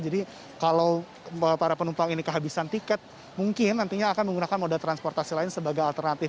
jadi kalau para penumpang ini kehabisan tiket mungkin nantinya akan menggunakan modal transportasi lain sebagai alternatif